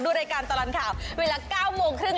ดูรายการตลอดข่าวเวลา๙โมงครึ่ง